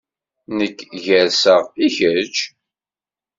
Nekk gerrzeɣ, i kečč?